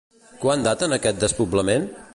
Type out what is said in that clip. Quan daten aquest despoblament?